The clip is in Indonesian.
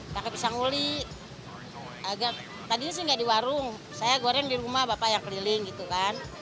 pakai pisang uli agak tadi sih enggak di warung saya goreng di rumah bapak yang keliling gitu kan